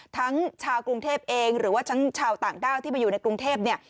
ทั้งชาวกรุงเทพเองหรือว่าทั้งชาวต่างด้าวที่ไปอยู่ในกรุงเทพเนี่ย